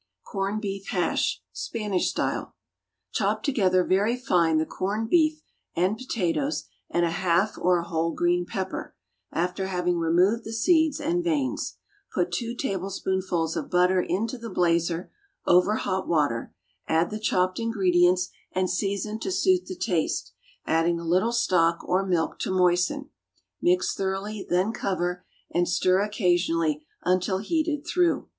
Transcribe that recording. =Corned Beef Hash.= (Spanish style.) Chop together very fine the corned beef and potatoes and a half or a whole green pepper, after having removed the seeds and veins; put two tablespoonfuls of butter into the blazer (over hot water), add the chopped ingredients, and season to suit the taste, adding a little stock or milk to moisten; mix thoroughly, then cover, and stir occasionally until heated through.